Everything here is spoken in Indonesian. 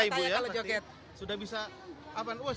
tidak ada yang tanya kalau joget